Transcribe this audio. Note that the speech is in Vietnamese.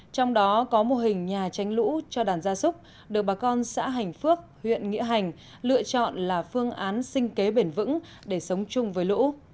trong đó có mô hình nhà tránh lũ cho đàn gia súc được bà con xã hành phước huyện nghĩa hành lựa chọn là phương án sinh kế bền vững để sống chung với lũ